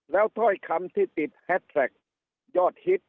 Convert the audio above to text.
แล้วถ้อยคำที่ติดแฮสแท็กยอดฮิต